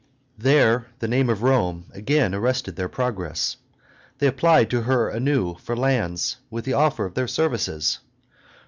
There the name of Rome again arrested their progress; they applied to her anew for lands, with the offer of their services.